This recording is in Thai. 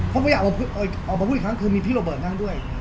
ผมก็อยากออกมาพูดอีกครั้งคือมีพี่โรเบิร์ตนั่งด้วย